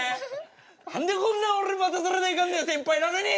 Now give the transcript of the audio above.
何でこんな俺待たされないかんねや先輩なのに！